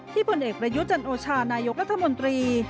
ผลเอกประยุจันโอชานายกรัฐมนตรี